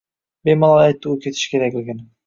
Bemalol aytdi u ketishi kerakligini.